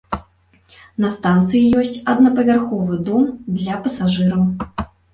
На станцыі ёсць аднапавярховы дом для пасажыраў.